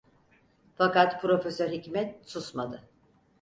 Fakat Profesör Hikmet susmadı: